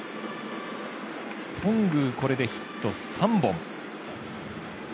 頓宮、これでヒット３本。